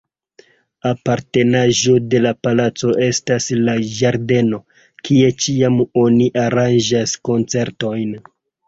Apartenaĵo de la palaco estas la ĝardeno, kie ĉiam oni aranĝas koncertojn.